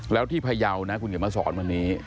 แล้วที่พยาวนะคุณเขียนมาสอนวันนี้